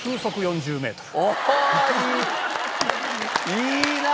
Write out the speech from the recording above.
いいなあ。